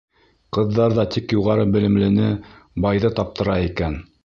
Ҡыҙҙар ҙа тик юғары белемлене, байҙы таптыра икән.